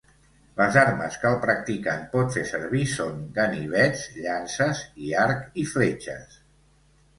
Les armes que el practicant pot fer servir són ganivets, llances i arc i fletxes.